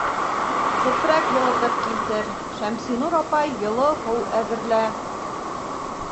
Сепрәк йылытып килтер, Шәмсинур апай, йылы һыу әҙерлә...